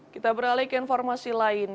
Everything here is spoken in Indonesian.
kita beralih ke informasi lain